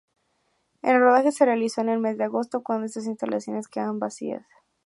El rodaje se realizó en el mes de agosto, cuando estas instalaciones quedaban vacías.